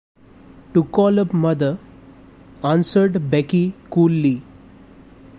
"To call up mother," answered Becky coolly.